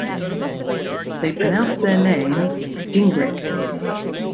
They pronounce their name "Gingrick".